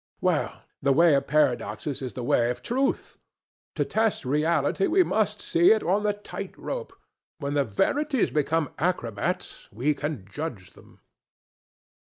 Well, the way of paradoxes is the way of truth. To test reality we must see it on the tight rope. When the verities become acrobats, we can judge them."